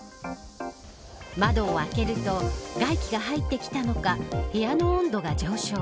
窓を開けると外気が入ってきたのか部屋の温度が上昇。